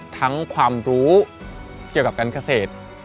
ความรู้เกี่ยวกับการเกษตร